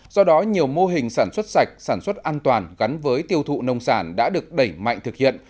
do đó nhiều mô hình sản xuất sạch sản xuất an toàn gắn với tiêu thụ nông sản đã được đẩy mạnh thực hiện